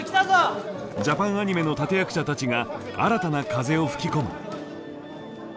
ジャパンアニメの立て役者たちが新たな風を吹き込む。